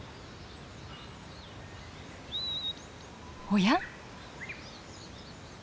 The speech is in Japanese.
おや？